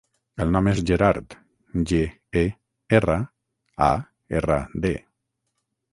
El nom és Gerard: ge, e, erra, a, erra, de.